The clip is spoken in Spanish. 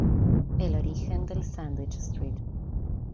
El origen del sándwich St.